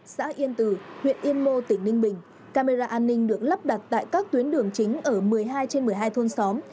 xã yên tử huyện yên mô tỉnh ninh bình camera an ninh được lắp đặt tại các tuyến đường chính ở một mươi hai trên một mươi hai thôn xóm